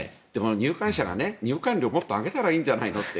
入館者が入館料をもっと上げたらいいんじゃないのって。